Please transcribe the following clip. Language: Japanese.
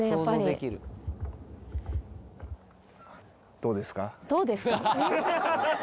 「どうですか？」。